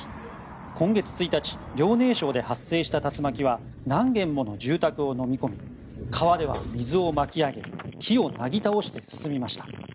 今月１日遼寧省で発生した竜巻は何軒もの住宅をのみ込み川では水を巻き上げ木をなぎ倒して進みました。